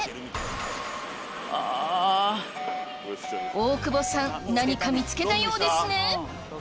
大久保さん何か見つけたようですね